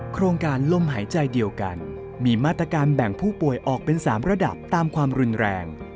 โครงการลมหายใจเดียวกันมีมาตรการแบ่งผู้ป่วยออกเป็น๓ระดับตามความรุนแรง